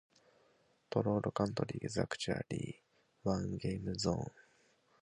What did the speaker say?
Troll Country is actually one game-zone.